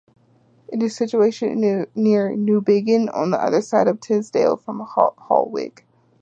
It is situated near Newbiggin, on the other side of Teesdale from Holwick.